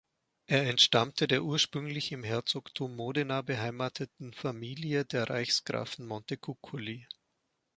Er entstammte der ursprünglich im Herzogtum Modena beheimateten Familie der Reichsgrafen Montecuccoli.